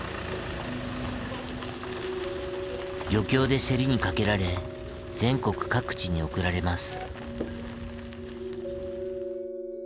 漁協で競りにかけられ全国各地に送られます。